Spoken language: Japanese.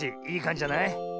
いいかんじじゃない？